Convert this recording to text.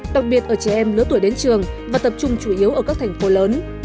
đặc biệt ở trẻ em lứa tuổi đến trường và tập trung chủ yếu ở các thành phố lớn